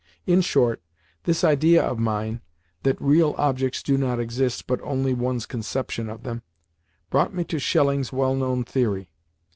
In short, this idea of mine (that real objects do not exist, but only one's conception of them) brought me to Schelling's well known theory.